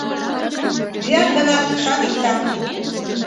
Лӱят гынат, садиктак.